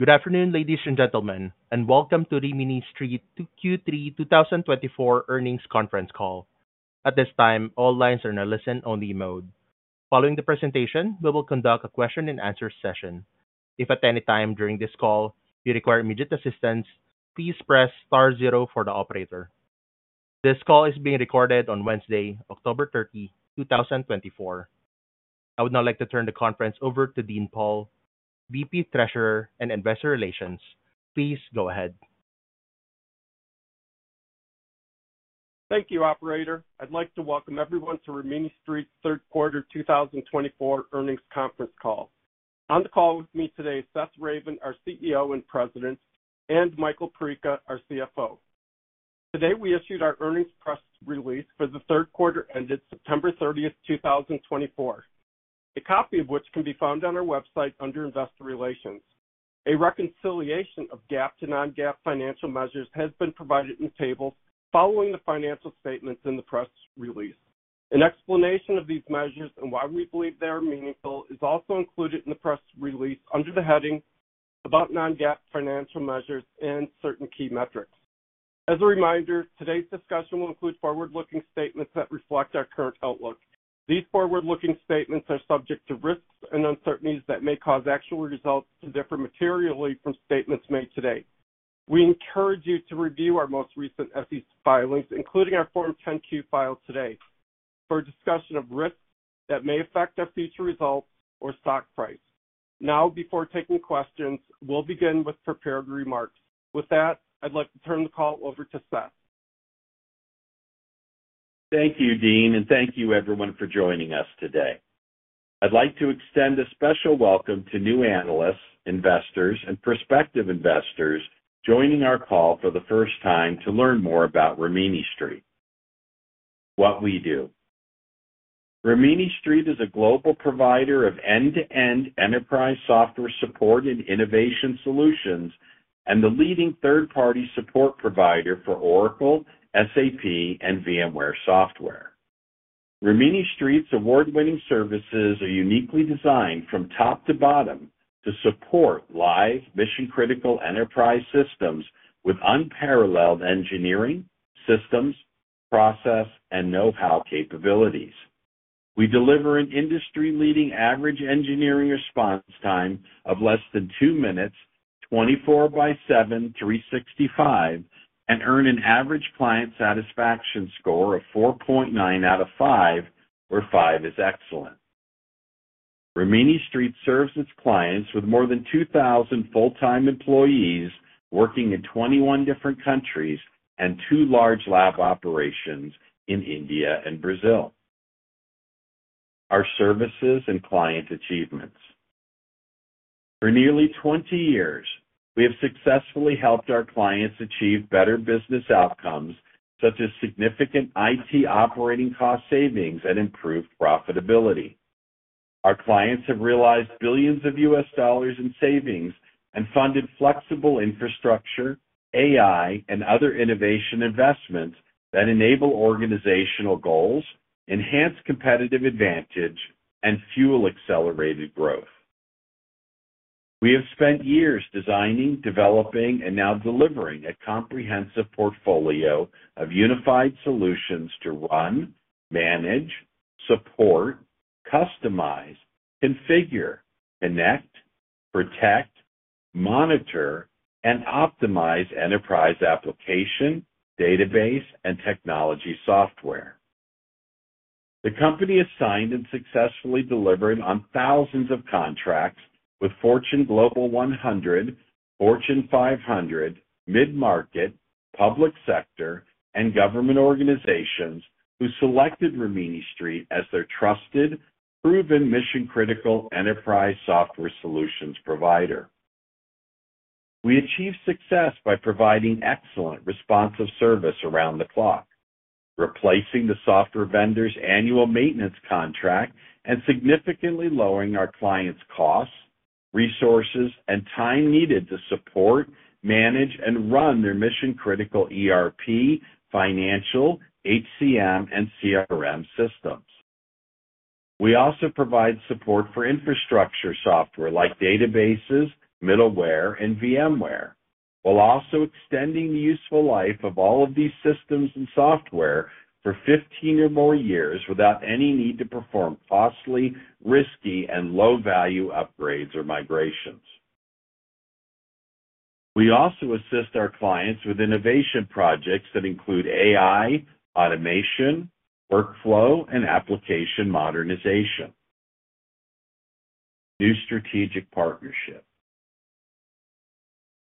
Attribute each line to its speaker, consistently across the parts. Speaker 1: Good afternoon, ladies and gentlemen, and welcome to Rimini Street Q3 2024 earnings conference call. At this time, all lines are in a listen-only mode. Following the presentation, we will conduct a question-and-answer session. If at any time during this call you require immediate assistance, please press star zero for the operator. This call is being recorded on Wednesday, October 30, 2024. I would now like to turn the conference over to Dean Pohl, VP Treasurer and Investor Relations. Please go ahead.
Speaker 2: Thank you, Operator. I'd like to welcome everyone to Rimini Street Q3 2024 earnings conference call. On the call with me today is Seth Ravin, our CEO and President, and Michael Perica, our CFO. Today we issued our earnings press release for the third quarter ended September 30, 2024, a copy of which can be found on our website under Investor Relations. A reconciliation of GAAP to non-GAAP financial measures has been provided in tables following the financial statements in the press release. An explanation of these measures and why we believe they are meaningful is also included in the press release under the heading "About non-GAAP financial measures and certain key metrics." As a reminder, today's discussion will include forward-looking statements that reflect our current outlook. These forward-looking statements are subject to risks and uncertainties that may cause actual results to differ materially from statements made today. We encourage you to review our most recent SEC filings, including our Form 10-Q filed today, for a discussion of risks that may affect our future results or stock price. Now, before taking questions, we'll begin with prepared remarks. With that, I'd like to turn the call over to Seth.
Speaker 3: Thank you, Dean, and thank you, everyone, for joining us today. I'd like to extend a special welcome to new analysts, investors, and prospective investors joining our call for the first time to learn more about Rimini Street. What we do. Rimini Street is a global provider of end-to-end enterprise software support and innovation solutions and the leading third-party support provider for Oracle, SAP, and VMware software. Rimini Street's award-winning services are uniquely designed from top to bottom to support live, mission-critical enterprise systems with unparalleled engineering, systems, process, and know-how capabilities. We deliver an industry-leading average engineering response time of less than two minutes, 24 by 7, 365, and earn an average client satisfaction score of 4.9 out of five, where five is excellent. Rimini Street serves its clients with more than 2,000 full-time employees working in 21 different countries and two large lab operations in India and Brazil. Our services and client achievements. For nearly 20 years, we have successfully helped our clients achieve better business outcomes such as significant IT operating cost savings and improved profitability. Our clients have realized billions of U.S. dollars in savings and funded flexible infrastructure, AI, and other innovation investments that enable organizational goals, enhance competitive advantage, and fuel accelerated growth. We have spent years designing, developing, and now delivering a comprehensive portfolio of unified solutions to run, manage, support, customize, configure, connect, protect, monitor, and optimize enterprise application, database, and technology software. The company has signed and successfully delivered on thousands of contracts with Fortune Global 100, Fortune 500, mid-market, public sector, and government organizations who selected Rimini Street as their trusted, proven, mission-critical enterprise software solutions provider. We achieve success by providing excellent responsive service around the clock, replacing the software vendor's annual maintenance contract, and significantly lowering our clients' costs, resources, and time needed to support, manage, and run their mission-critical ERP, financial, HCM, and CRM systems. We also provide support for infrastructure software like databases, middleware, and VMware, while also extending the useful life of all of these systems and software for 15 or more years without any need to perform costly, risky, and low-value upgrades or migrations. We also assist our clients with innovation projects that include AI, automation, workflow, and application modernization. New strategic partnership.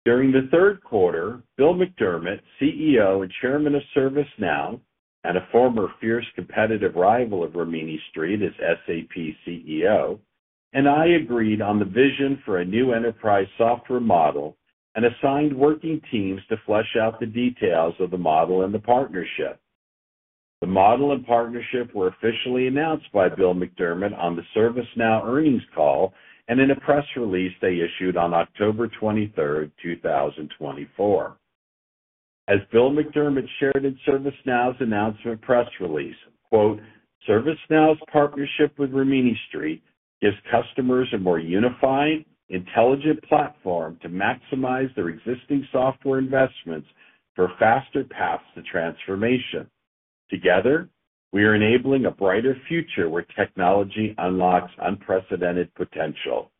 Speaker 3: During the third quarter, Bill McDermott, CEO and Chairman of ServiceNow and a former fierce competitive rival of Rimini Street as SAP CEO, and I agreed on the vision for a new enterprise software model and assigned working teams to flesh out the details of the model and the partnership. The model and partnership were officially announced by Bill McDermott on the ServiceNow earnings call and in a press release they issued on October 23, 2024. As Bill McDermott shared in ServiceNow's announcement press release, "ServiceNow's partnership with Rimini Street gives customers a more unified, intelligent platform to maximize their existing software investments for faster paths to transformation. Together, we are enabling a brighter future where technology unlocks unprecedented potential."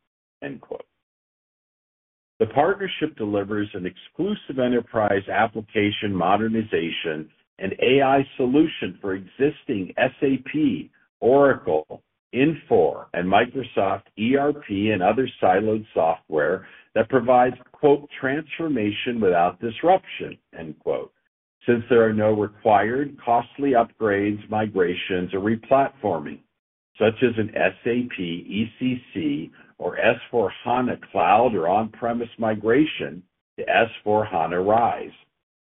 Speaker 3: The partnership delivers an exclusive enterprise application modernization and AI solution for existing SAP, Oracle, Infor, and Microsoft ERP and other siloed software that provides "transformation without disruption" since there are no required costly upgrades, migrations, or replatforming, such as an SAP ECC or S/4HANA cloud or on-premise migration to S/4HANA RISE,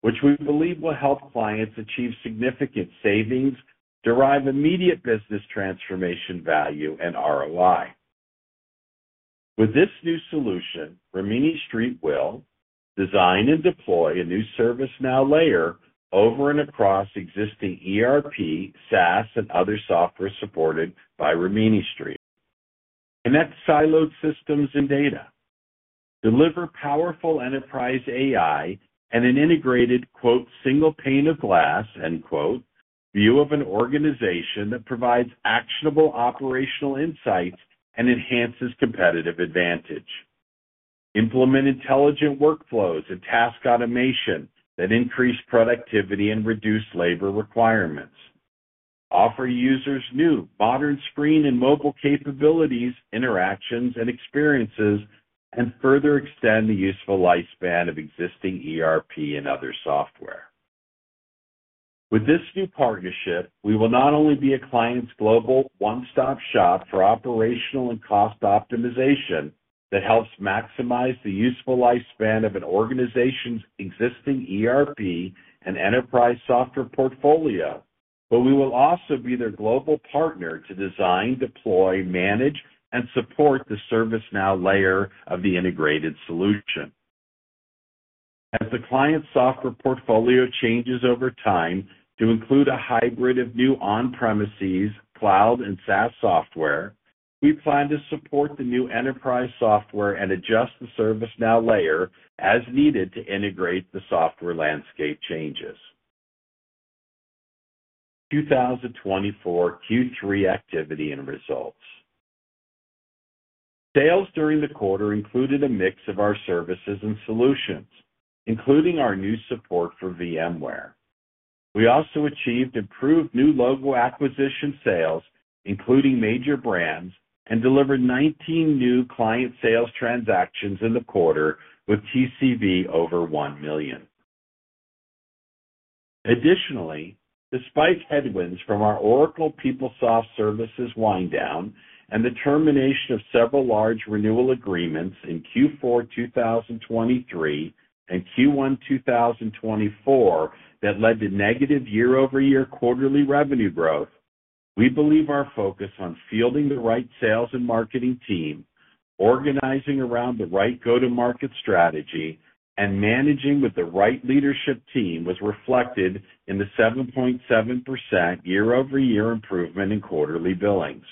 Speaker 3: which we believe will help clients achieve significant savings, derive immediate business transformation value, and ROI. With this new solution, Rimini Street will design and deploy a new ServiceNow layer over and across existing ERP, SaaS, and other software supported by Rimini Street, connect siloed systems and data, deliver powerful enterprise AI, and an integrated "single pane of glass" view of an organization that provides actionable operational insights and enhances competitive advantage. Implement intelligent workflows and task automation that increase productivity and reduce labor requirements. Offer users new, modern screen and mobile capabilities, interactions, and experiences, and further extend the useful lifespan of existing ERP and other software. With this new partnership, we will not only be a client's global one-stop shop for operational and cost optimization that helps maximize the useful lifespan of an organization's existing ERP and enterprise software portfolio, but we will also be their global partner to design, deploy, manage, and support the ServiceNow layer of the integrated solution. As the client software portfolio changes over time to include a hybrid of new on-premises, cloud, and SaaS software, we plan to support the new enterprise software and adjust the ServiceNow layer as needed to integrate the software landscape changes. 2024 Q3 activity and results. Sales during the quarter included a mix of our services and solutions, including our new support for VMware. We also achieved improved new logo acquisition sales, including major brands, and delivered 19 new client sales transactions in the quarter with TCV over $1 million. Additionally, despite headwinds from our Oracle PeopleSoft services wind-down and the termination of several large renewal agreements in Q4 2023 and Q1 2024 that led to negative year-over-year quarterly revenue growth, we believe our focus on fielding the right sales and marketing team, organizing around the right go-to-market strategy, and managing with the right leadership team was reflected in the 7.7% year-over-year improvement in quarterly billings.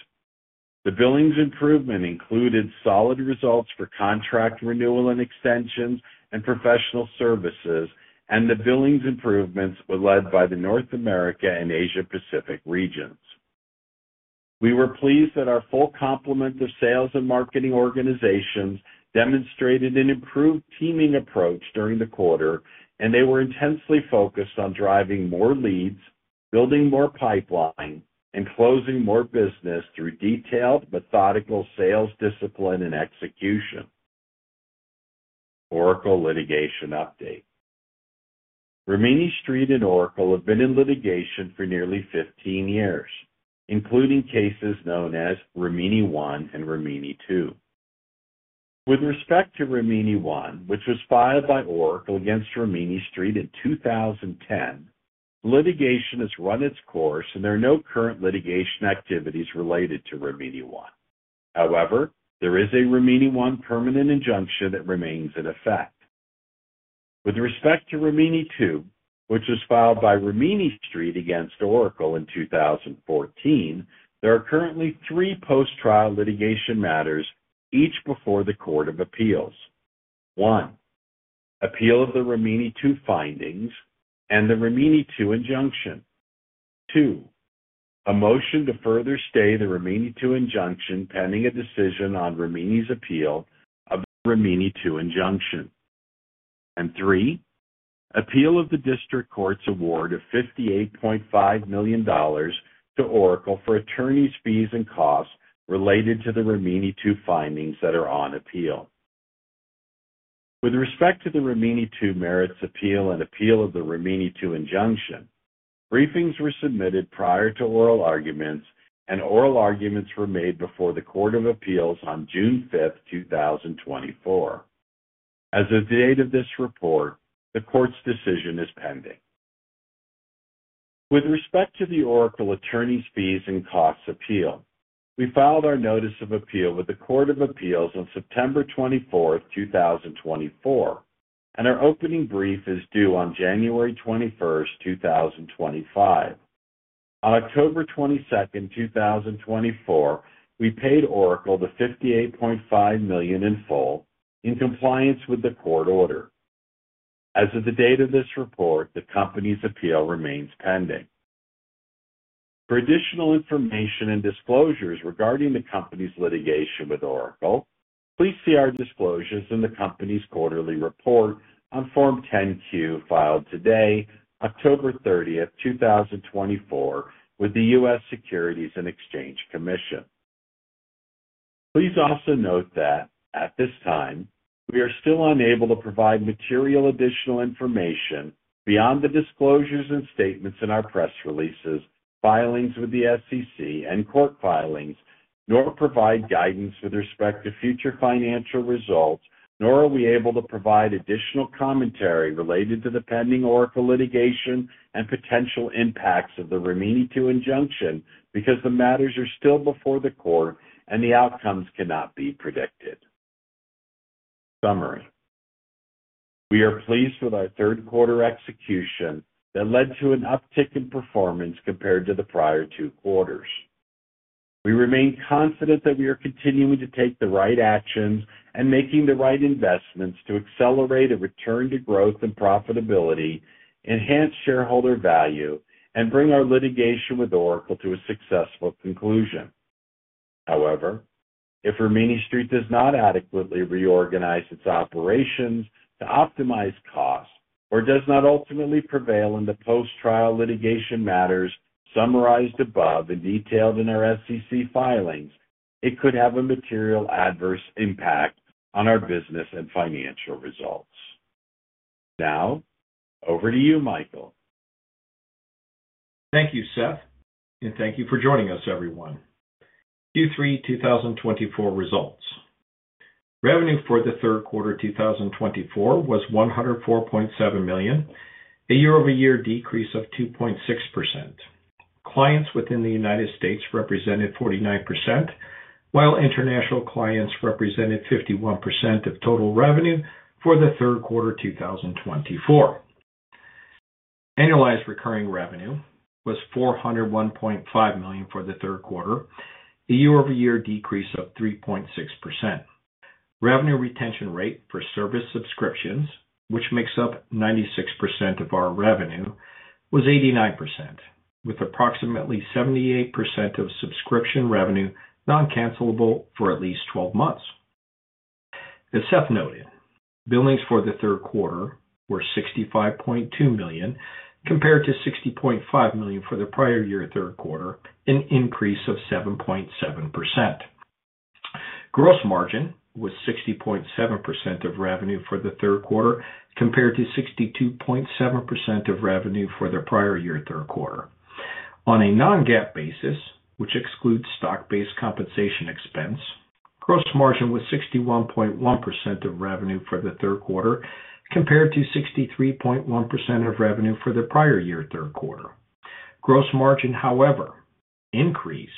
Speaker 3: The billings improvement included solid results for contract renewal and extensions and professional services, and the billings improvements were led by the North America and Asia-Pacific regions. We were pleased that our full complement of sales and marketing organizations demonstrated an improved teaming approach during the quarter, and they were intensely focused on driving more leads, building more pipelines, and closing more business through detailed, methodical sales discipline and execution. Oracle litigation update. Rimini Street and Oracle have been in litigation for nearly 15 years, including cases known as Rimini I and Rimini II. With respect to Rimini I, which was filed by Oracle against Rimini Street in 2010, litigation has run its course, and there are no current litigation activities related to Rimini I. However, there is a Rimini I permanent injunction that remains in effect. With respect to Rimini II, which was filed by Rimini Street against Oracle in 2014, there are currently three post-trial litigation matters, each before the Court of Appeals. One, appeal of the Rimini II findings and the Rimini II injunction. Two, a motion to further stay the Rimini II injunction pending a decision on Rimini's appeal of the Rimini II injunction. And three, appeal of the district court's award of $58.5 million to Oracle for attorney's fees and costs related to the Rimini II findings that are on appeal. With respect to the Rimini II merits appeal and appeal of the Rimini II injunction, briefings were submitted prior to oral arguments, and oral arguments were made before the Court of Appeals on June 5, 2024. As of the date of this report, the court's decision is pending. With respect to the Oracle attorney's fees and costs appeal, we filed our notice of appeal with the Court of Appeals on September 24, 2024, and our opening brief is due on January 21, 2025. On October 22, 2024, we paid Oracle the $58.5 million in full in compliance with the court order. As of the date of this report, the company's appeal remains pending. For additional information and disclosures regarding the company's litigation with Oracle, please see our disclosures in the company's quarterly report on Form 10-Q filed today, October 30, 2024, with the U.S. Securities and Exchange Commission. Please also note that, at this time, we are still unable to provide material additional information beyond the disclosures and statements in our press releases, filings with the SEC, and court filings, nor provide guidance with respect to future financial results, nor are we able to provide additional commentary related to the pending Oracle litigation and potential impacts of the Rimini II injunction because the matters are still before the court and the outcomes cannot be predicted. Summary. We are pleased with our third quarter execution that led to an uptick in performance compared to the prior two quarters. We remain confident that we are continuing to take the right actions and making the right investments to accelerate a return to growth and profitability, enhance shareholder value, and bring our litigation with Oracle to a successful conclusion. However, if Rimini Street does not adequately reorganize its operations to optimize costs or does not ultimately prevail in the post-trial litigation matters summarized above and detailed in our SEC filings, it could have a material adverse impact on our business and financial results. Now, over to you, Michael.
Speaker 4: Thank you, Seth, and thank you for joining us, everyone. Q3 2024 results. Revenue for the third quarter 2024 was $104.7 million, a year-over-year decrease of 2.6%. Clients within the United States represented 49%, while international clients represented 51% of total revenue for the third quarter 2024. Annualized recurring revenue was $401.5 million for the third quarter, a year-over-year decrease of 3.6%. Revenue retention rate for service subscriptions, which makes up 96% of our revenue, was 89%, with approximately 78% of subscription revenue non-cancelable for at least 12 months. As Seth noted, billings for the third quarter were $65.2 million compared to $60.5 million for the prior year third quarter, an increase of 7.7%. Gross margin was 60.7% of revenue for the third quarter compared to 62.7% of revenue for the prior year third quarter. On a non-GAAP basis, which excludes stock-based compensation expense, gross margin was 61.1% of revenue for the third quarter compared to 63.1% of revenue for the prior year third quarter. Gross margin, however, increased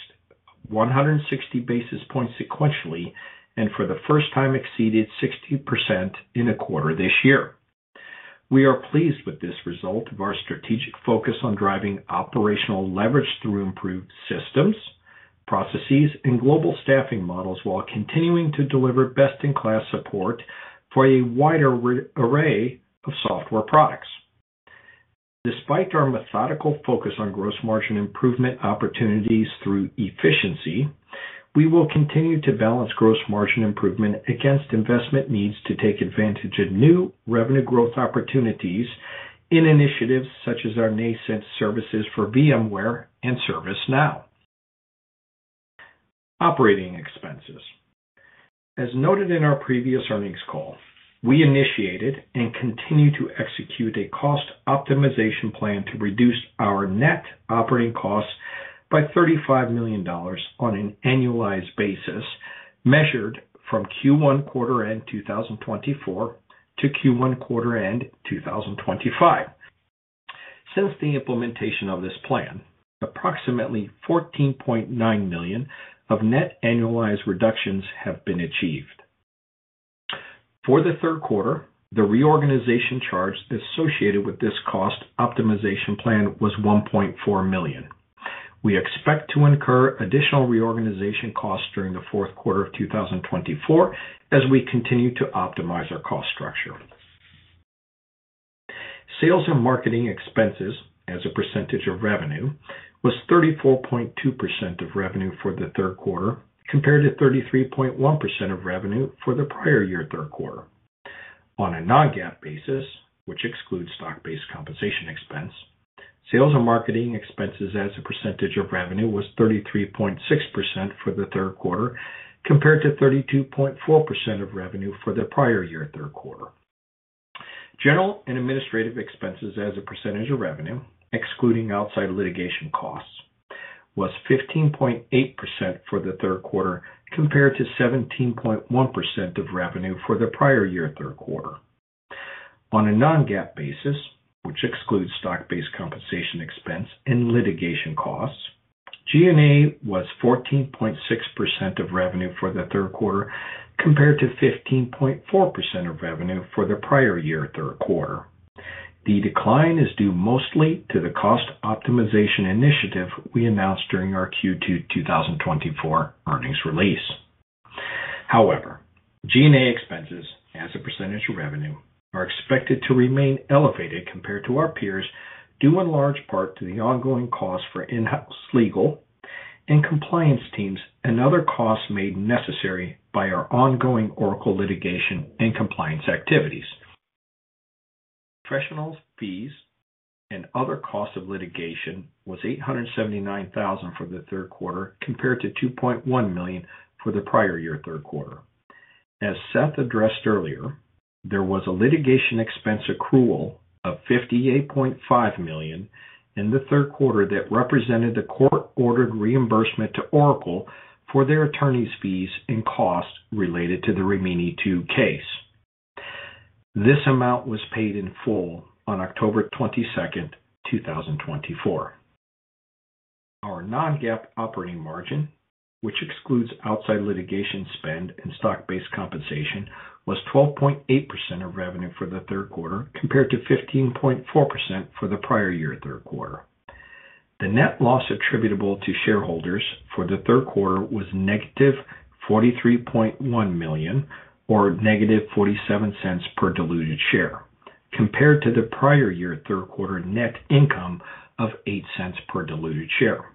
Speaker 4: 160 basis points sequentially and for the first time exceeded 60% in a quarter this year. We are pleased with this result of our strategic focus on driving operational leverage through improved systems, processes, and global staffing models while continuing to deliver best-in-class support for a wider array of software products. Despite our methodical focus on gross margin improvement opportunities through efficiency, we will continue to balance gross margin improvement against investment needs to take advantage of new revenue growth opportunities in initiatives such as our nascent services for VMware and ServiceNow. Operating expenses. As noted in our previous earnings call, we initiated and continue to execute a cost optimization plan to reduce our net operating costs by $35 million on an annualized basis measured from Q1 quarter end 2024 to Q1 quarter end 2025. Since the implementation of this plan, approximately $14.9 million of net annualized reductions have been achieved. For the third quarter, the reorganization charge associated with this cost optimization plan was $1.4 million. We expect to incur additional reorganization costs during the fourth quarter of 2024 as we continue to optimize our cost structure. Sales and marketing expenses, as a percentage of revenue, was 34.2% of revenue for the third quarter compared to 33.1% of revenue for the prior year third quarter. On a non-GAAP basis, which excludes stock-based compensation expense, sales and marketing expenses as a percentage of revenue was 33.6% for the third quarter compared to 32.4% of revenue for the prior year third quarter. General and administrative expenses as a percentage of revenue, excluding outside litigation costs, was 15.8% for the third quarter compared to 17.1% of revenue for the prior year third quarter. On a non-GAAP basis, which excludes stock-based compensation expense and litigation costs, G&A was 14.6% of revenue for the third quarter compared to 15.4% of revenue for the prior year third quarter. The decline is due mostly to the cost optimization initiative we announced during our Q2 2024 earnings release. However, G&A expenses, as a percentage of revenue, are expected to remain elevated compared to our peers due in large part to the ongoing costs for in-house legal and compliance teams and other costs made necessary by our ongoing Oracle litigation and compliance activities. Professional fees and other costs of litigation was $879,000 for the third quarter compared to $2.1 million for the prior year third quarter. As Seth addressed earlier, there was a litigation expense accrual of $58.5 million in the third quarter that represented the court-ordered reimbursement to Oracle for their attorney's fees and costs related to the Rimini II case. This amount was paid in full on October 22, 2024. Our non-GAAP operating margin, which excludes outside litigation spend and stock-based compensation, was 12.8% of revenue for the third quarter compared to 15.4% for the prior year third quarter. The net loss attributable to shareholders for the third quarter was negative $43.1 million or negative $0.47 per diluted share compared to the prior year third quarter net income of $0.08 per diluted share.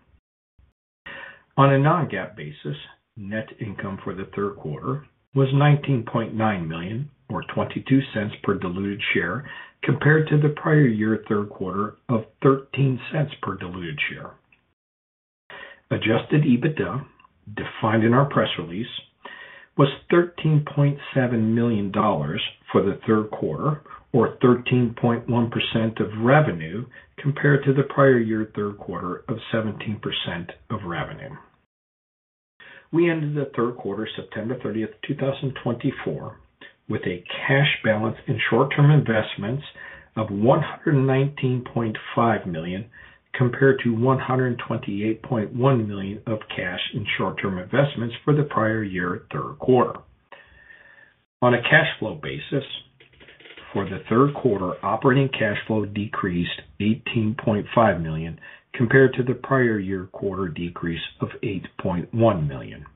Speaker 4: On a non-GAAP basis, net income for the third quarter was $19.9 million or $0.22 per diluted share compared to the prior year third quarter of $0.13 per diluted share. Adjusted EBITDA, defined in our press release, was $13.7 million for the third quarter or 13.1% of revenue compared to the prior year third quarter of 17% of revenue. We ended the third quarter, September 30, 2024, with a cash balance in short-term investments of $119.5 million compared to $128.1 million of cash in short-term investments for the prior year third quarter. On a cash flow basis, for the third quarter, operating cash flow decreased $18.5 million compared to the prior year quarter decrease of $8.1 million.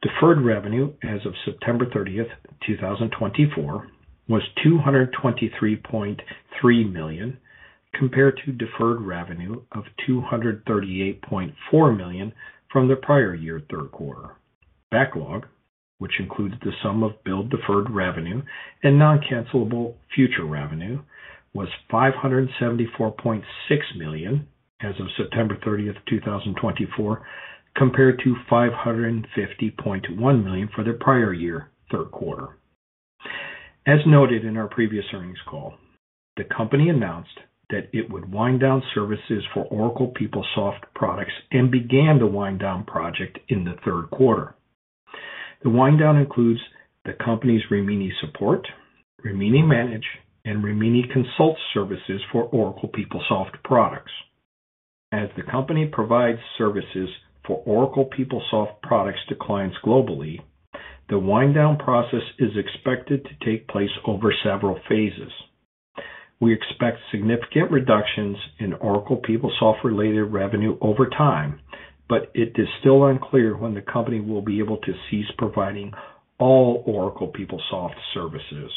Speaker 4: Deferred revenue as of September 30, 2024, was $223.3 million compared to deferred revenue of $238.4 million from the prior year third quarter. Backlog, which included the sum of billed deferred revenue and non-cancelable future revenue, was $574.6 million as of September 30, 2024, compared to $550.1 million for the prior year third quarter. As noted in our previous earnings call, the company announced that it would wind down services for Oracle PeopleSoft products and began the wind-down project in the third quarter. The wind-down includes the company's Rimini Support, Rimini Manage, and Rimini Consult services for Oracle PeopleSoft products. As the company provides services for Oracle PeopleSoft products to clients globally, the wind-down process is expected to take place over several phases. We expect significant reductions in Oracle PeopleSoft-related revenue over time, but it is still unclear when the company will be able to cease providing all Oracle PeopleSoft services.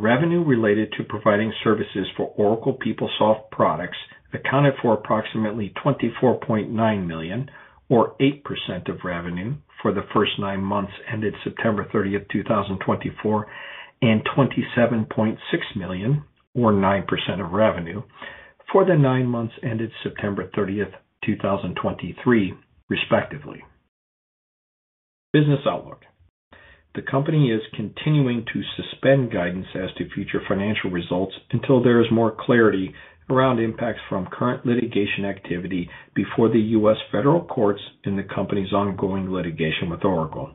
Speaker 4: Revenue related to providing services for Oracle PeopleSoft products accounted for approximately $24.9 million or 8% of revenue for the first nine months ended September 30, 2024, and $27.6 million or 9% of revenue for the nine months ended September 30, 2023, respectively. Business outlook. The company is continuing to suspend guidance as to future financial results until there is more clarity around impacts from current litigation activity before the U.S. federal courts in the company's ongoing litigation with Oracle.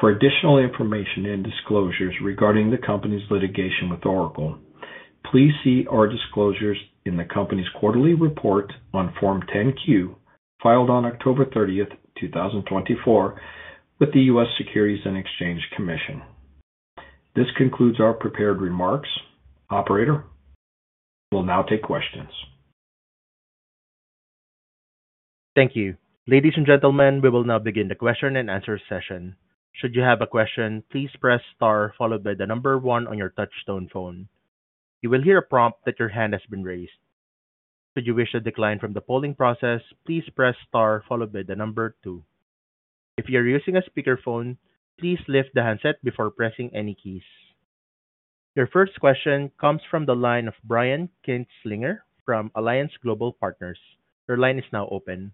Speaker 4: For additional information and disclosures regarding the company's litigation with Oracle, please see our disclosures in the company's quarterly report on Form 10-Q filed on October 30, 2024, with the U.S. Securities and Exchange Commission. This concludes our prepared remarks. Operator will now take questions.
Speaker 1: Thank you. Ladies and gentlemen, we will now begin the question and answer session. Should you have a question, please press star followed by the number one on your touch-tone phone. You will hear a prompt that your hand has been raised. Should you wish to decline from the polling process, please press star followed by the number two. If you're using a speakerphone, please lift the handset before pressing any keys. Your first question comes from the line of Brian Kinstlinger from Alliance Global Partners. Your line is now open.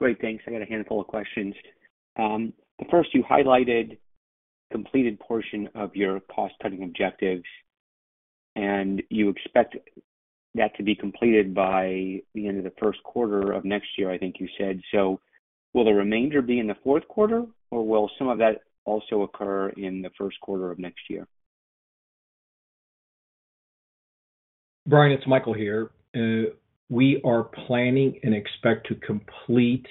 Speaker 5: Great. Thanks. I got a handful of questions. The first, you highlighted the completed portion of your cost-cutting objectives, and you expect that to be completed by the end of the first quarter of next year, I think you said. So will the remainder be in the fourth quarter, or will some of that also occur in the first quarter of next year?
Speaker 4: Brian, it's Michael here. We are planning and expect to complete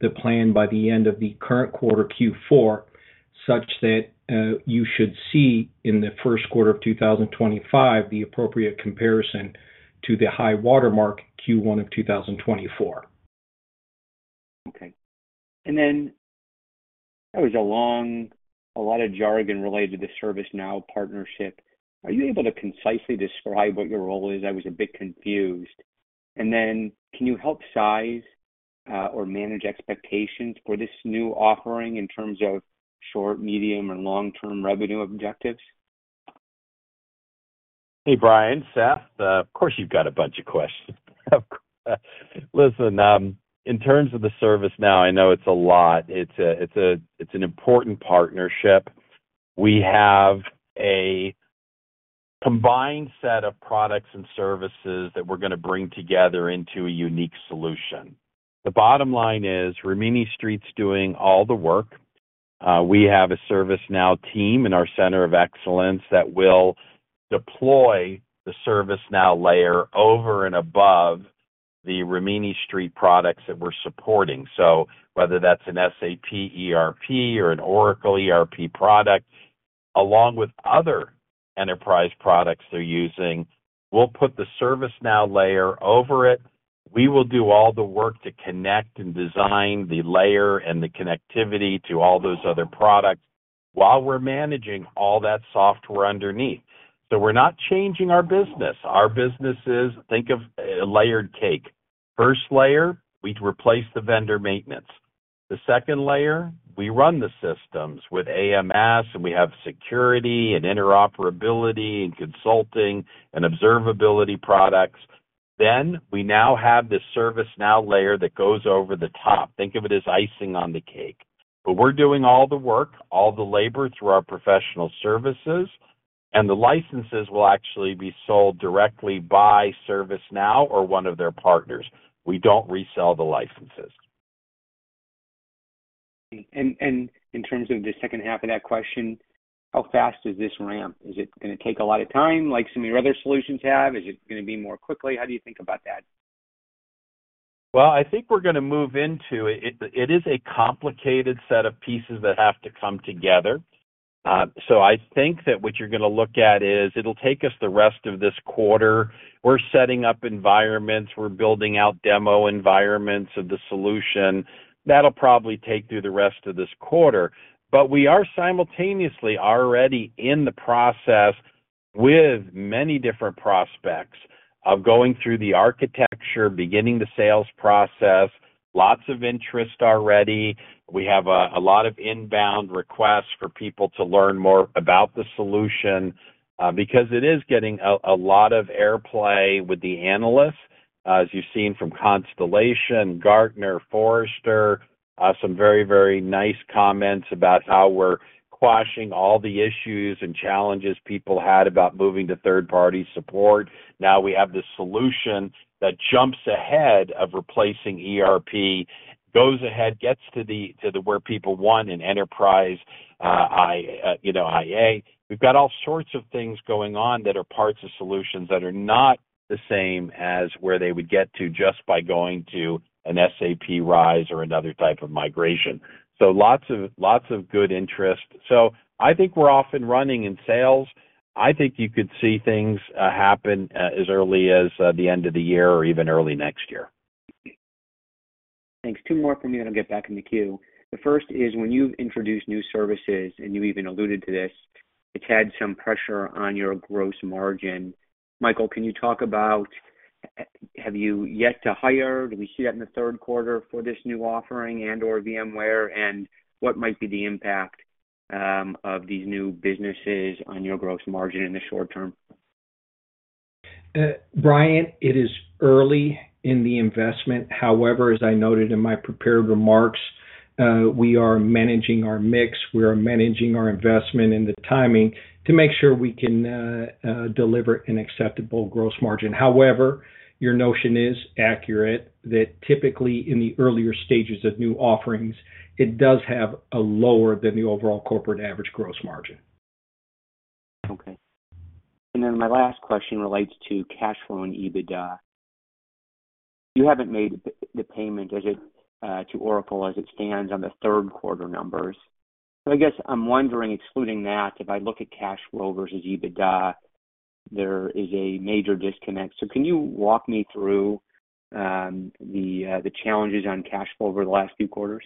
Speaker 4: the plan by the end of the current quarter, Q4, such that you should see in the first quarter of 2025 the appropriate comparison to the high watermark Q1 of 2024.
Speaker 5: Okay, and then that was a long, a lot of jargon related to the ServiceNow partnership. Are you able to concisely describe what your role is? I was a bit confused. And then can you help size or manage expectations for this new offering in terms of short, medium, and long-term revenue objectives?
Speaker 3: Hey, Brian, Seth, of course you've got a bunch of questions. Listen, in terms of the ServiceNow, I know it's a lot. It's an important partnership. We have a combined set of products and services that we're going to bring together into a unique solution. The bottom line is Rimini Street's doing all the work. We have a ServiceNow team in our center of excellence that will deploy the ServiceNow layer over and above the Rimini Street products that we're supporting. So whether that's an SAP ERP or an Oracle ERP product, along with other enterprise products they're using, we'll put the ServiceNow layer over it. We will do all the work to connect and design the layer and the connectivity to all those other products while we're managing all that software underneath. So we're not changing our business. Our business is, think of a layered cake. First layer, we replace the vendor maintenance. The second layer, we run the systems with AMS, and we have security and interoperability and consulting and observability products. Then we now have the ServiceNow layer that goes over the top. Think of it as icing on the cake. But we're doing all the work, all the labor through our professional services, and the licenses will actually be sold directly by ServiceNow or one of their partners. We don't resell the licenses.
Speaker 5: And in terms of the second half of that question, how fast is this ramp? Is it going to take a lot of time like some of your other solutions have? Is it going to be more quickly? How do you think about that?
Speaker 3: Well, I think we're going to move into it. It is a complicated set of pieces that have to come together. So I think that what you're going to look at is it'll take us the rest of this quarter. We're setting up environments. We're building out demo environments of the solution. That'll probably take through the rest of this quarter. But we are simultaneously already in the process with many different prospects of going through the architecture, beginning the sales process. Lots of interest already. We have a lot of inbound requests for people to learn more about the solution because it is getting a lot of airplay with the analysts, as you've seen from Constellation, Gartner, Forrester, some very, very nice comments about how we're quashing all the issues and challenges people had about moving to third-party support. Now we have the solution that jumps ahead of replacing ERP, goes ahead, gets to where people want in enterprise AI. We've got all sorts of things going on that are parts of solutions that are not the same as where they would get to just by going to an SAP RISE or another type of migration. So lots of good interest. So I think we're off and running in sales. I think you could see things happen as early as the end of the year or even early next year. Thanks.
Speaker 5: Two more from you, and I'll get back in the queue. The first is when you've introduced new services, and you even alluded to this, it's had some pressure on your gross margin. Michael, can you talk about have you yet to hire? Do we see that in the third quarter for this new offering and/or VMware, and what might be the impact of these new businesses on your gross margin in the short term?
Speaker 4: Brian, it is early in the investment. However, as I noted in my prepared remarks, we are managing our mix. We are managing our investment and the timing to make sure we can deliver an acceptable gross margin. However, your notion is accurate that typically in the earlier stages of new offerings, it does have a lower than the overall corporate average gross margin. Okay.
Speaker 5: And then my last question relates to cash flow and EBITDA. You haven't made the payment to Oracle as it stands on the third quarter numbers. So I guess I'm wondering, excluding that, if I look at cash flow versus EBITDA, there is a major disconnect. So can you walk me through the challenges on cash flow over the last few quarters?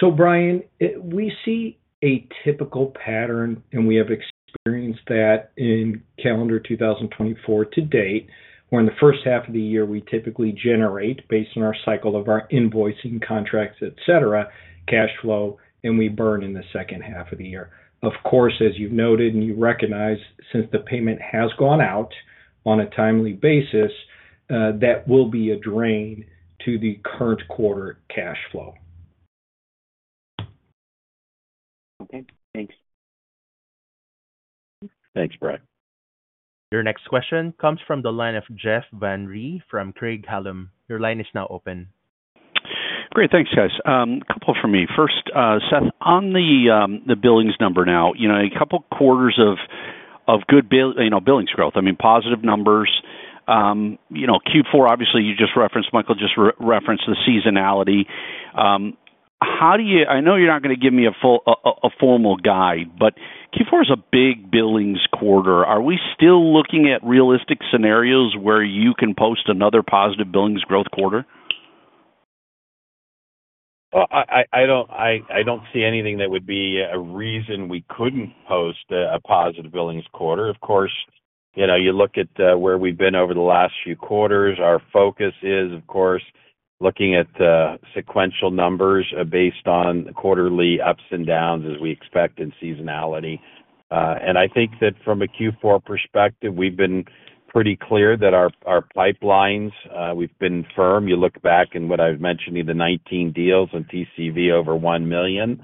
Speaker 4: So, Brian, we see a typical pattern, and we have experienced that in calendar 2024 to date, where in the first half of the year, we typically generate, based on our cycle of our invoicing, contracts, etc., cash flow, and we burn in the second half of the year. Of course, as you've noted and you recognize, since the payment has gone out on a timely basis, that will be a drain to the current quarter cash flow.
Speaker 5: Okay. Thanks.
Speaker 4: Thanks, Brian.
Speaker 1: Your next question comes from the line of Jeff Van Rhee from Craig-Hallum. Your line is now open.
Speaker 6: Great. Thanks, guys. A couple from me. First, Seth, on the billings number now, a couple quarters of good billings growth, I mean, positive numbers. Q4, obviously, you just referenced, Michael just referenced the seasonality. How do you? I know you're not going to give me a formal guide, but Q4 is a big billings quarter. Are we still looking at realistic scenarios where you can post another positive billings quarter?
Speaker 3: Well, I don't see anything that would be a reason we couldn't post a positive billings quarter. Of course, you look at where we've been over the last few quarters. Our focus is, of course, looking at sequential numbers based on quarterly ups and downs as we expect in seasonality. And I think that from a Q4 perspective, we've been pretty clear that our pipelines. We've been firm. You look back and what I've mentioned, the 19 deals and TCV over $1 million.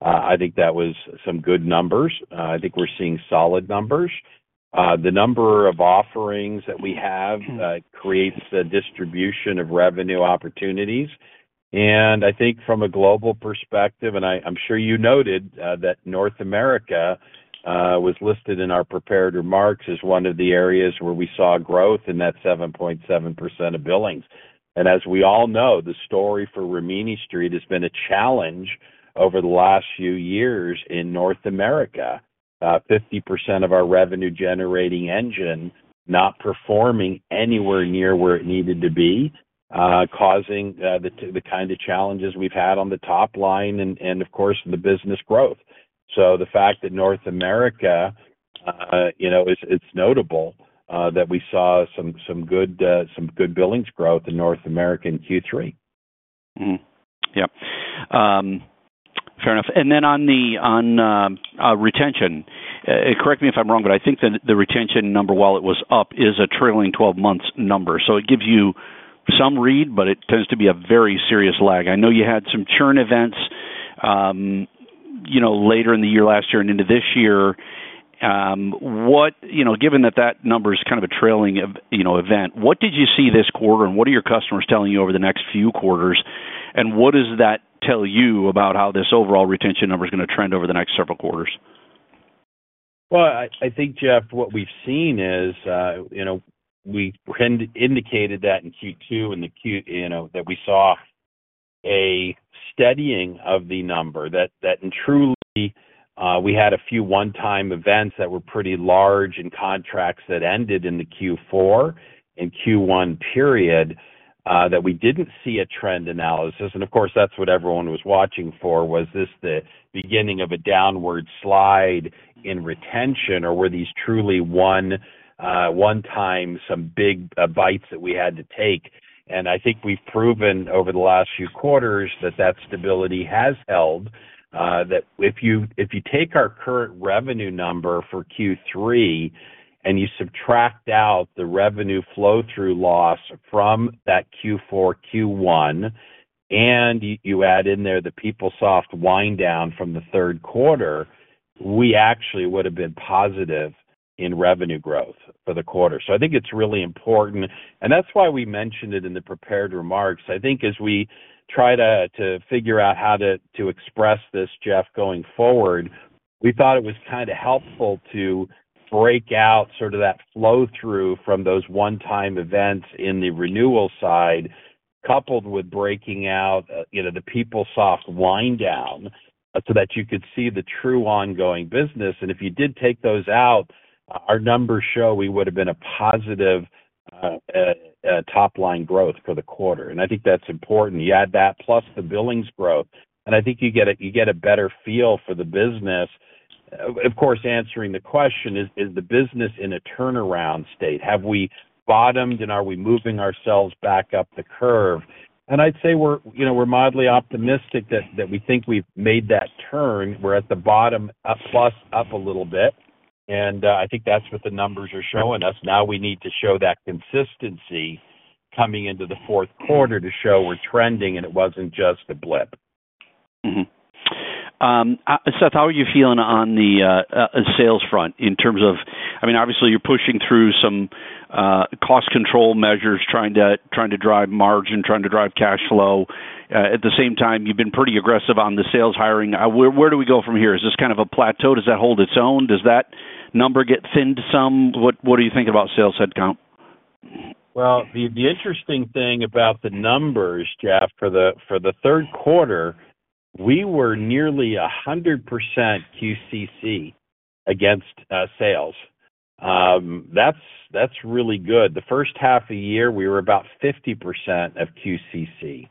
Speaker 3: I think that was some good numbers. I think we're seeing solid numbers. The number of offerings that we have creates the distribution of revenue opportunities. And I think from a global perspective, and I'm sure you noted that North America was listed in our prepared remarks as one of the areas where we saw growth in that 7.7% of billings. And as we all know, the story for Rimini Street has been a challenge over the last few years in North America. 50% of our revenue-generating engine not performing anywhere near where it needed to be, causing the kind of challenges we've had on the top line and, of course, the business growth. So the fact that North America, it's notable that we saw some good billings growth in North America in Q3.
Speaker 6: Yep. Fair enough. And then on retention, correct me if I'm wrong, but I think the retention number, while it was up, is a trailing 12-month number. So it gives you some read, but it tends to be a very serious lag. I know you had some churn events later in the year last year and into this year. Given that that number is kind of a trailing event, what did you see this quarter, and what are your customers telling you over the next few quarters, and what does that tell you about how this overall retention number is going to trend over the next several quarters?
Speaker 3: I think, Jeff, what we've seen is we indicated that in Q2 and that we saw a steadying of the number. That truly, we had a few one-time events that were pretty large in contracts that ended in the Q4 and Q1 period that we didn't see a trend analysis. Of course, that's what everyone was watching for. Was this the beginning of a downward slide in retention, or were these truly one-time some big bites that we had to take? I think we've proven over the last few quarters that that stability has held. That if you take our current revenue number for Q3 and you subtract out the revenue flow-through loss from that Q4, Q1, and you add in there the PeopleSoft wind down from the third quarter, we actually would have been positive in revenue growth for the quarter. So I think it's really important. And that's why we mentioned it in the prepared remarks. I think as we try to figure out how to express this, Jeff, going forward, we thought it was kind of helpful to break out sort of that flow-through from those one-time events in the renewal side, coupled with breaking out the PeopleSoft wind down so that you could see the true ongoing business. And if you did take those out, our numbers show we would have been a positive top-line growth for the quarter. And I think that's important. You add that plus the billings growth, and I think you get a better feel for the business. Of course, answering the question, is the business in a turnaround state? Have we bottomed, and are we moving ourselves back up the curve? I'd say we're mildly optimistic that we think we've made that turn. We're at the bottom plus up a little bit. I think that's what the numbers are showing us. Now we need to show that consistency coming into the fourth quarter to show we're trending, and it wasn't just a blip.
Speaker 6: Seth, how are you feeling on the sales front in terms of, I mean, obviously, you're pushing through some cost control measures, trying to drive margin, trying to drive cash flow. At the same time, you've been pretty aggressive on the sales hiring. Where do we go from here? Is this kind of a plateau? Does that hold its own? Does that number get thinned some? What are you thinking about sales headcount?
Speaker 3: The interesting thing about the numbers, Jeff, for the third quarter, we were nearly 100% QCC against sales. That's really good. The first half of the year, we were about 50% of QCC.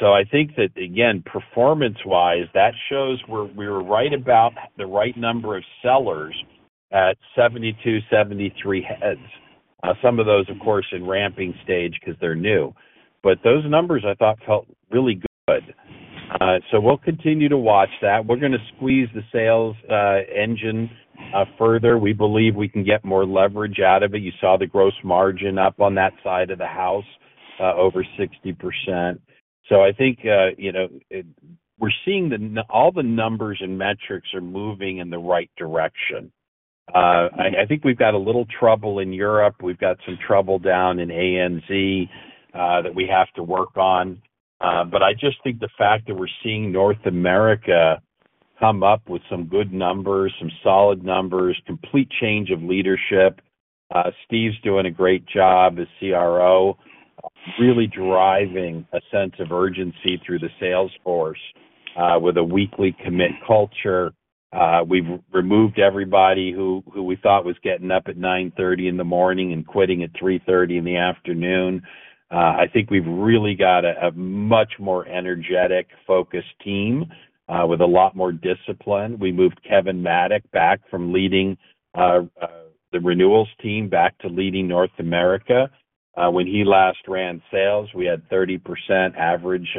Speaker 3: So I think that, again, performance-wise, that shows we were right about the right number of sellers at 72, 73 heads. Some of those, of course, in ramping stage because they're new. But those numbers, I thought, felt really good. So we'll continue to watch that. We're going to squeeze the sales engine further. We believe we can get more leverage out of it. You saw the gross margin up on that side of the house over 60%. So I think we're seeing all the numbers and metrics are moving in the right direction. I think we've got a little trouble in Europe. We've got some trouble down in ANZ that we have to work on. But I just think the fact that we're seeing North America come up with some good numbers, some solid numbers, a complete change of leadership. Steve's doing a great job as CRO, really driving a sense of urgency through the sales force with a weekly commit culture. We've removed everybody who we thought was getting up at 9:30 A.M. and quitting at 3:30 P.M. I think we've really got a much more energetic, focused team with a lot more discipline. We moved Kevin Maddock back from leading the renewals team back to leading North America. When he last ran sales, we had 30% average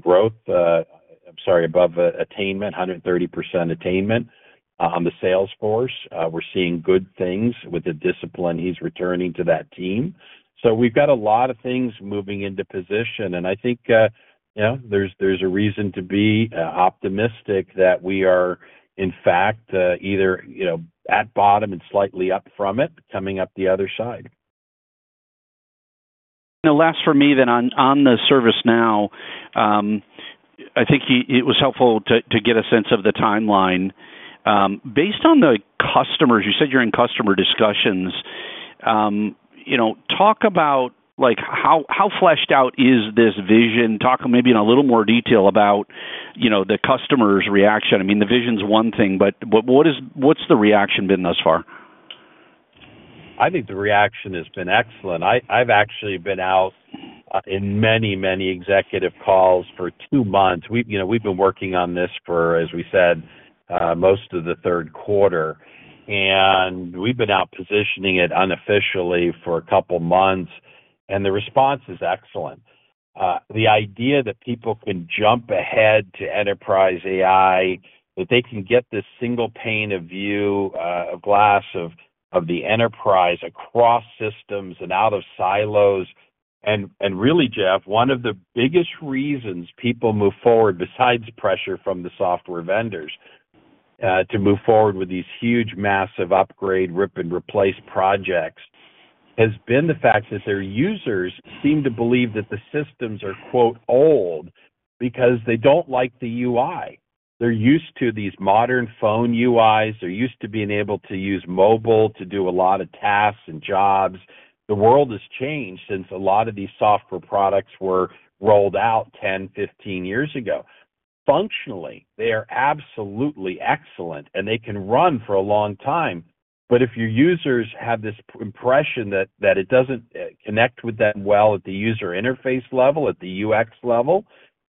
Speaker 3: growth, I'm sorry, above attainment, 130% attainment on the sales force. We're seeing good things with the discipline. He's returning to that team. So we've got a lot of things moving into position. And I think there's a reason to be optimistic that we are, in fact, either at bottom and slightly up from it, coming up the other side.
Speaker 6: And the last for me then on the ServiceNow, I think it was helpful to get a sense of the timeline. Based on the customers, you said you're in customer discussions. Talk about how fleshed out is this vision? Talk maybe in a little more detail about the customer's reaction. I mean, the vision's one thing, but what's the reaction been thus far?
Speaker 3: I think the reaction has been excellent. I've actually been out in many, many executive calls for two months. We've been working on this for, as we said, most of the third quarter. And we've been out positioning it unofficially for a couple months, and the response is excellent. The idea that people can jump ahead to enterprise AI, that they can get this single pane of view, a glass of the enterprise across systems and out of silos, and really, Jeff, one of the biggest reasons people move forward, besides pressure from the software vendors, to move forward with these huge, massive upgrade, rip, and replace projects, has been the fact that their users seem to believe that the systems are, quote, "old" because they don't like the UI. They're used to these modern phone UIs. They're used to being able to use mobile to do a lot of tasks and jobs. The world has changed since a lot of these software products were rolled out 10, 15 years ago. Functionally, they are absolutely excellent, and they can run for a long time. But if your users have this impression that it doesn't connect with them well at the user interface level, at the UX level,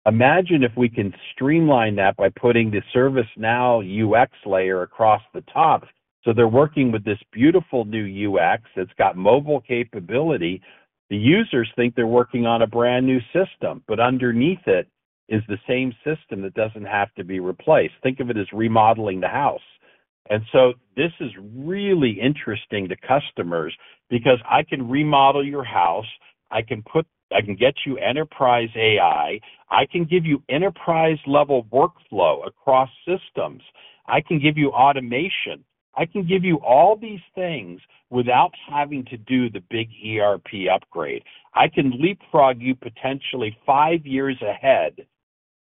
Speaker 3: imagine if we can streamline that by putting the ServiceNow UX layer across the top. So they're working with this beautiful new UX that's got mobile capability. The users think they're working on a brand new system, but underneath it is the same system that doesn't have to be replaced. Think of it as remodeling the house. And so this is really interesting to customers because I can remodel your house. I can get you enterprise AI. I can give you enterprise-level workflow across systems. I can give you automation. I can give you all these things without having to do the big ERP upgrade. I can leapfrog you potentially five years ahead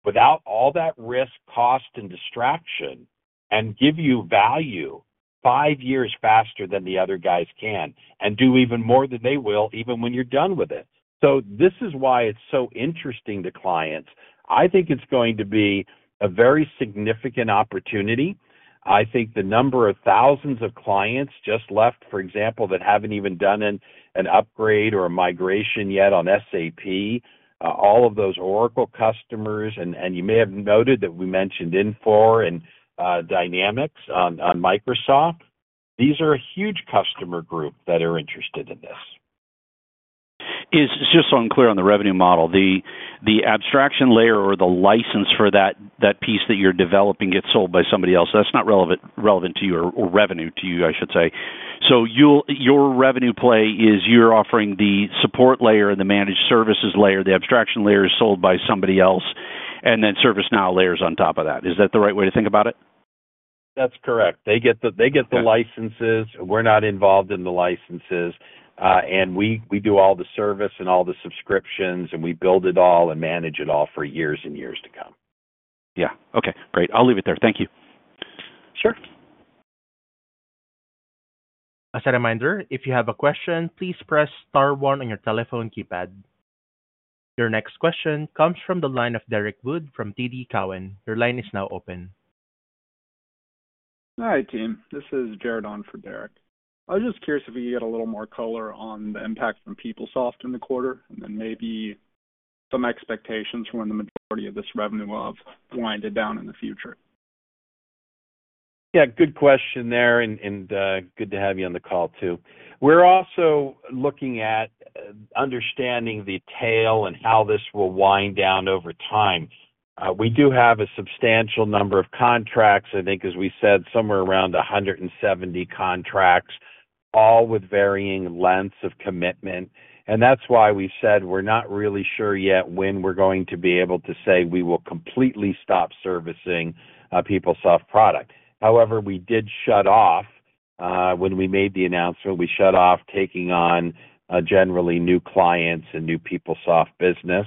Speaker 3: without all that risk, cost, and distraction and give you value five years faster than the other guys can and do even more than they will even when you're done with it. So this is why it's so interesting to clients. I think it's going to be a very significant opportunity. I think the number of thousands of clients just left, for example, that haven't even done an upgrade or a migration yet on SAP, all of those Oracle customers, and you may have noted that we mentioned Infor and Dynamics on Microsoft. These are a huge customer group that are interested in this.
Speaker 6: It's just unclear on the revenue model. The abstraction layer or the license for that piece that you're developing gets sold by somebody else. That's not relevant to you or revenue to you, I should say. So your revenue play is you're offering the support layer and the managed services layer. The abstraction layer is sold by somebody else, and then ServiceNow layers on top of that. Is that the right way to think about it?
Speaker 3: That's correct. They get the licenses. We're not involved in the licenses. And we do all the service and all the subscriptions, and we build it all and manage it all for years and years to come.
Speaker 6: Yeah. Okay. Great. I'll leave it there. Thank you.
Speaker 3: Sure.
Speaker 1: As a reminder, if you have a question, please press star one on your telephone keypad. Your next question comes from the line of Derek Wood from TD Cowen. Your line is now open.
Speaker 7: Hi, team. This is Jared on for Derek. I was just curious if you could get a little more color on the impact from PeopleSoft in the quarter and then maybe some expectations for when the majority of this revenue winds down in the future.
Speaker 3: Yeah. Good question there, and good to have you on the call too. We're also looking at understanding the tail and how this will wind down over time. We do have a substantial number of contracts, I think, as we said, somewhere around 170 contracts, all with varying lengths of commitment. And that's why we said we're not really sure yet when we're going to be able to say we will completely stop servicing a PeopleSoft product. However, we did shut off when we made the announcement. We shut off taking on generally new clients and new PeopleSoft business.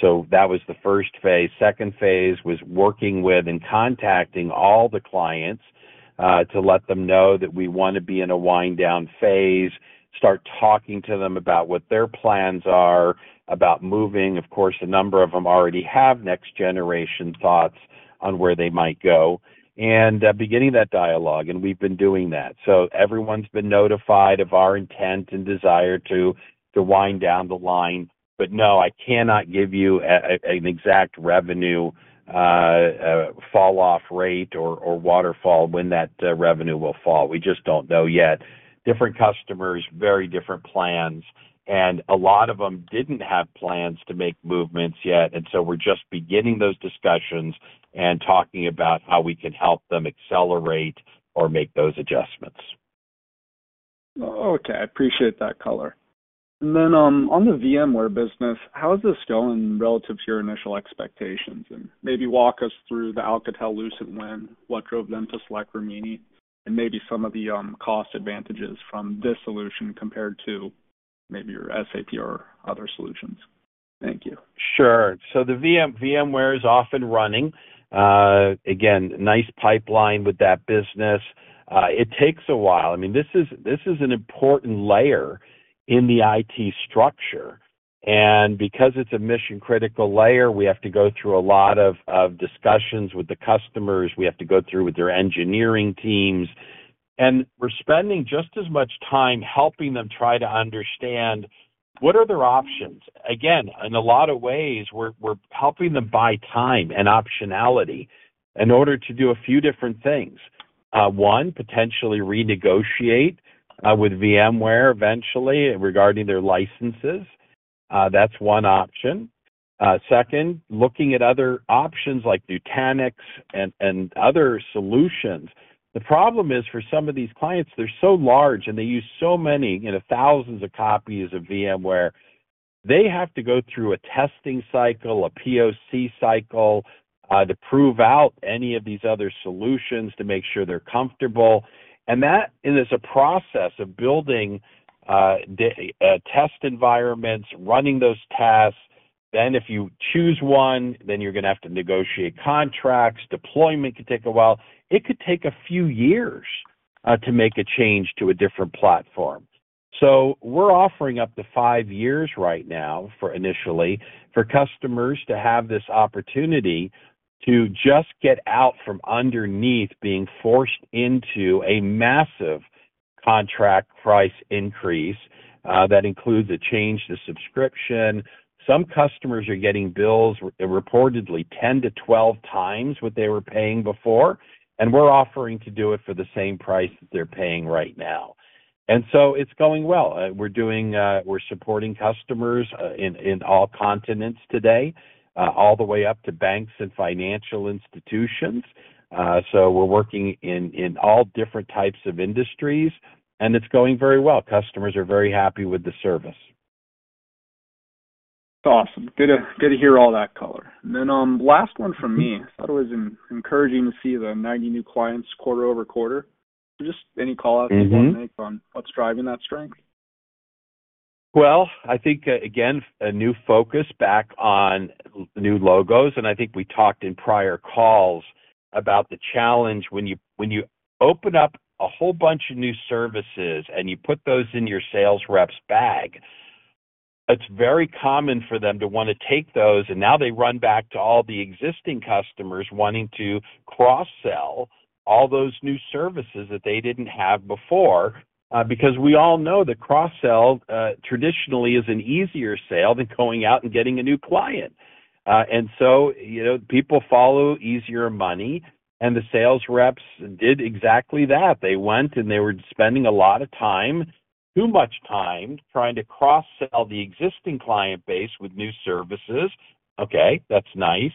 Speaker 3: So that was the first phase. Second phase was working with and contacting all the clients to let them know that we want to be in a wind down phase, start talking to them about what their plans are about moving. Of course, a number of them already have next-generation thoughts on where they might go. And beginning that dialogue, and we've been doing that. So everyone's been notified of our intent and desire to wind down the line. But no, I cannot give you an exact revenue falloff rate or waterfall when that revenue will fall. We just don't know yet. Different customers, very different plans. And a lot of them didn't have plans to make movements yet. And so we're just beginning those discussions and talking about how we can help them accelerate or make those adjustments.
Speaker 7: Okay. I appreciate that color. And then on the VMware business, how is this going relative to your initial expectations? And maybe walk us through the Alcatel-Lucent win, what drove them to select Rimini, and maybe some of the cost advantages from this solution compared to maybe your SAP or other solutions. Thank you.
Speaker 3: Sure. So the VMware is off and running. Again, nice pipeline with that business. It takes a while. I mean, this is an important layer in the IT structure. And because it's a mission-critical layer, we have to go through a lot of discussions with the customers. We have to go through with their engineering teams. And we're spending just as much time helping them try to understand what are their options. Again, in a lot of ways, we're helping them buy time and optionality in order to do a few different things. One, potentially renegotiate with VMware eventually regarding their licenses. That's one option. Second, looking at other options like Nutanix and other solutions. The problem is for some of these clients, they're so large and they use so many thousands of copies of VMware. They have to go through a testing cycle, a POC cycle to prove out any of these other solutions to make sure they're comfortable, and that is a process of building test environments, running those tasks, then if you choose one, then you're going to have to negotiate contracts. Deployment could take a while. It could take a few years to make a change to a different platform, so we're offering up to five years right now initially for customers to have this opportunity to just get out from underneath being forced into a massive contract price increase that includes a change to subscription. Some customers are getting bills reportedly 10-12 times what they were paying before, and we're offering to do it for the same price that they're paying right now, and so it's going well. We're supporting customers in all continents today, all the way up to banks and financial institutions, so we're working in all different types of industries, and it's going very well. Customers are very happy with the service.
Speaker 7: That's awesome. Good to hear all that color, and then last one from me. I thought it was encouraging to see the 90 new clients quarter over quarter. Just any callouts you want to make on what's driving that strength?
Speaker 3: Well, I think, again, a new focus back on new logos. And I think we talked in prior calls about the challenge when you open up a whole bunch of new services and you put those in your sales rep's bag. It's very common for them to want to take those, and now they run back to all the existing customers wanting to cross-sell all those new services that they didn't have before. Because we all know that cross-sell traditionally is an easier sale than going out and getting a new client. And so people follow easier money, and the sales reps did exactly that. They went and they were spending a lot of time, too much time, trying to cross-sell the existing client base with new services. Okay, that's nice.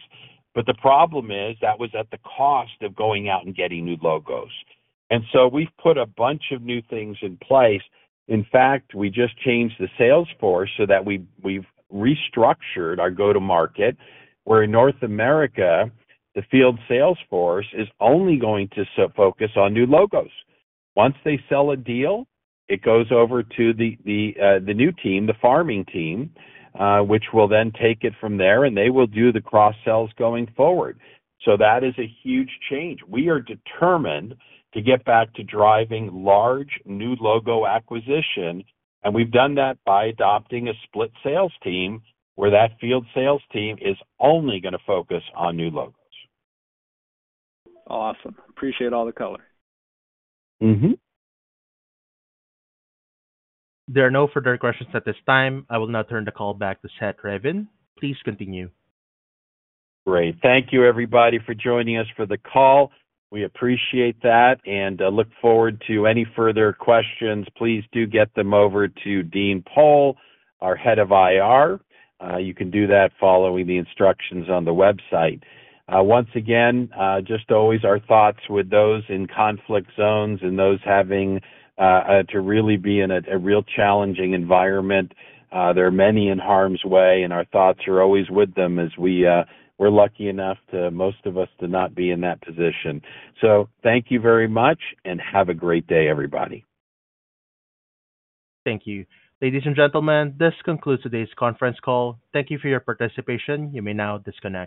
Speaker 3: But the problem is that was at the cost of going out and getting new logos. And so we've put a bunch of new things in place. In fact, we just changed the sales force so that we've restructured our go-to-market, where in North America, the field sales force is only going to focus on new logos. Once they sell a deal, it goes over to the new team, the farming team, which will then take it from there, and they will do the cross-sells going forward. So that is a huge change. We are determined to get back to driving large new logo acquisition, and we've done that by adopting a split sales team where that field sales team is only going to focus on new logos.
Speaker 7: Awesome. Appreciate all the color.
Speaker 1: There are no further questions at this time. I will now turn the call back to Seth Ravin. Please continue.
Speaker 3: Great. Thank you, everybody, for joining us for the call. We appreciate that and look forward to any further questions. Please do get them over to Dean Pohl, our head of IR. You can do that following the instructions on the website. Once again, just always our thoughts with those in conflict zones and those having to really be in a real challenging environment. There are many in harm's way, and our thoughts are always with them as we're lucky enough, most of us, to not be in that position. So thank you very much and have a great day, everybody.
Speaker 1: Thank you. Ladies and gentlemen, this concludes today's conference call. Thank you for your participation. You may now disconnect.